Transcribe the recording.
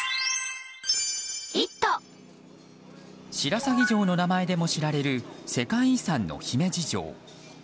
白鷺城の名前でも知られる世界遺産の姫路城。